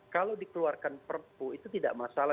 kalau dikeluarkan perpu itu tidak masalah